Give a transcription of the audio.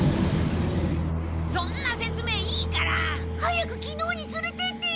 そんな説明いいから！早くきのうにつれてってよ！